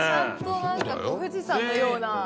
何か富士山のような。